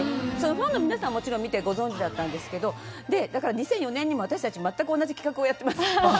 ファンの皆さんはもちろん見てご存じだったんですけど、だから２００４年にも私たち、全く同じ企画をやってます。